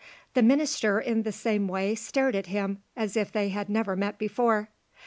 The minister in the same way stared at him as if they had never met before.